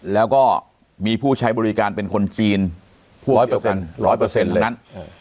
แล้วก็มีผู้ใช้บริการเป็นคนจีน๑๐๐ทั้งนั้น